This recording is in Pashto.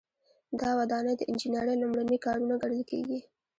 دا ودانۍ د انجنیری لومړني کارونه ګڼل کیږي.